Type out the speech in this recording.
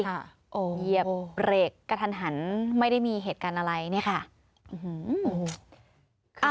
เหยียบเบรกกระทันหันไม่ได้มีเหตุการณ์อะไรเนี่ยค่ะ